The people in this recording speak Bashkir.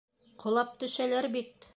Ҡолап төшәләр бит!